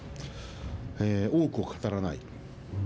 多くを語らない。